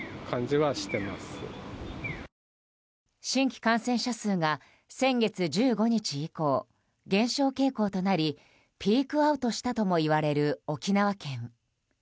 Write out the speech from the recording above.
新規感染者数が先月１５日以降減少傾向となりピークアウトしたともいわれる沖縄県。